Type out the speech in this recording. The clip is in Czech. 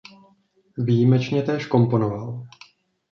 Výjimečně též komponoval.